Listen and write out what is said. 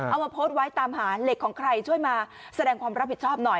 เอามาโพสต์ไว้ตามหาเหล็กของใครช่วยมาแสดงความรับผิดชอบหน่อย